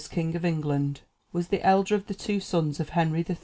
King of England, was the elder of the two sons of Henry III.